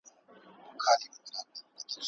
چاکو باید ګډ نه شي.